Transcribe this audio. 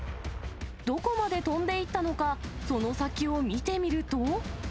どこまで飛んでいったのか、その先を見てみると。